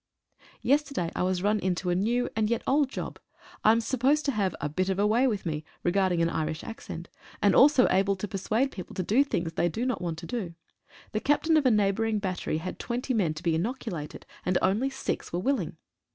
Yesterday I was run into a new and yet old job. I am supposed to have "a bit of a way with me" regard ing an Irish accent, and also able to persuade people to do things they do not want to do. The captain of a neighbouring battery had 20 men to be inoculated, and only six were willing.